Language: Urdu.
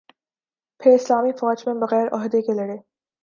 پھر اسلامی فوج میں بغیر عہدہ کے لڑے